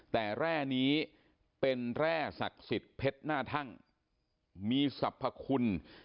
แต่แร่นี้เป็นแร่ศักดิ์สิทธิ์เพชรหน้าทั่งมีสรรพคุณ